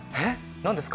何ですか？